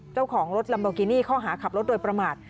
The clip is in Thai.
เจ้าของรถลัมโบกินี่ข้อหาขับรถโดยประมาท